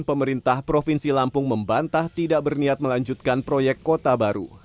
pemerintah provinsi lampung membantah tidak berniat melanjutkan proyek kota baru